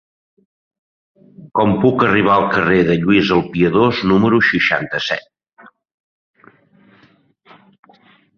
Com puc arribar al carrer de Lluís el Piadós número seixanta-set?